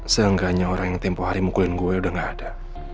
seenggaknya orang yang tempo hari mukulin gue udah gak ada